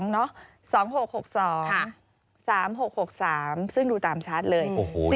๒๔๔๒เนอะ๒๖๖๒๓๖๖๓ซึ่งดูตามชาติเลย